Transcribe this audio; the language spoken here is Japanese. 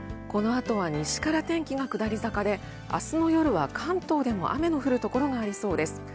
この後は西から天気が下り坂で明日の夜は関東でも雨の降る所がありそうです。